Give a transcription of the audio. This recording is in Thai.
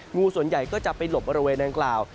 งูส่วนใหญ่ก็จะไปหลบบริเวณดังกล่าว